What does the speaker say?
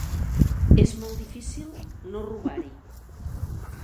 És molt difícil no robar-hi.